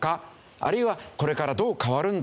あるいはこれからどう変わるんだろうか。